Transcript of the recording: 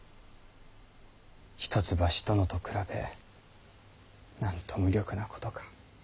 一橋殿と比べなんと無力なことか。